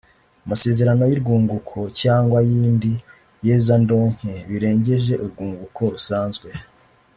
amasezerano y’urwunguko cyangwa y’indi yezandonke birengeje urwunguko rusanzwe